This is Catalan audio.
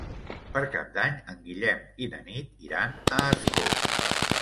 Per Cap d'Any en Guillem i na Nit iran a Ascó.